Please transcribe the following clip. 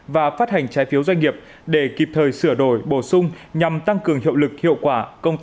và phát hành trái phiếu doanh nghiệp để kịp thời sửa đổi bổ sung nhằm tăng cường hiệu lực